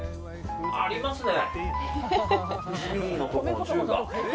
ありますね。